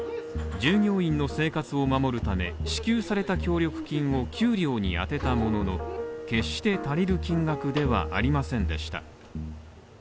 従業員の生活を守るために支給された協力金を給料に充てたものの決して足りる金額ではありませんでした。